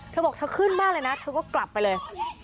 เธอบอกเธอขึ้นบ้านเลยนะเธอก็กลับไปเลย